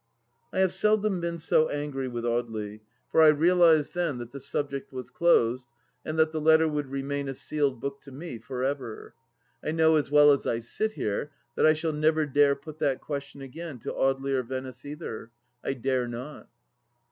I have seldom been so angry with Audely, for I realized THE LAST DITCH 299 then that the subject was closed, and that the letter would remain a sealed book to me for ever. I know as well as I sit here that I shall never dare put that question again to Audely or Venice either. I dare not.